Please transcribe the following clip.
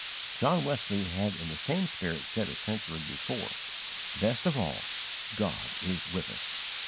John Wesley had in the same spirit said a century before, "Best of all, God is with us."